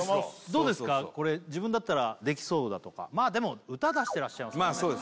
どうですかこれ自分だったらできそうだとかまあでも歌出してらっしゃいますからね